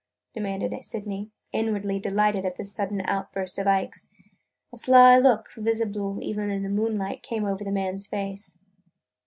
demanded Sydney, inwardly delighted at this sudden outburst of Ike's. A sly look, visible even in the moonlight, came over the man's face.